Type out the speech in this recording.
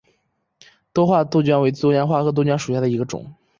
多花杜鹃为杜鹃花科杜鹃属下的一个种。